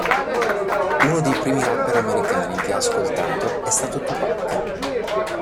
Uno dei primi rapper americani che ha ascoltato è stato Tupac.